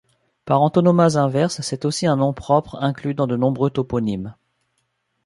Par antonomase inverse, c'est aussi un nom propre, inclus dans de nombreux toponymes.